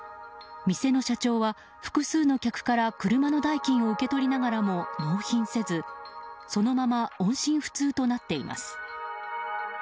店の社長は、複数の客から車の代金を受け取りながらも納品せずそのまま音信不通となっています。